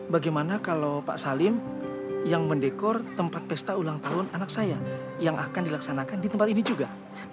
bagaimana kalau pak salim yang mendekor tempat pesta ulang tahun anak saya yang akan dilaksanakan di tempat ini juga